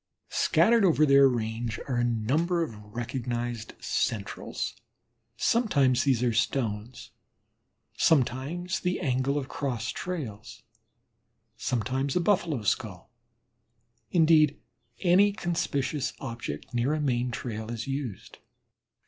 Scattered over their range are a number of recognized "centrals." Sometimes these are stones, sometimes the angle of cross trails, sometimes a Buffalo skull indeed, any conspicuous object near a main trail is used.